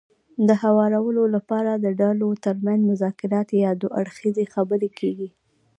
د هوارولو لپاره د ډلو ترمنځ مذاکرات يا دوه اړخیزې خبرې کېږي.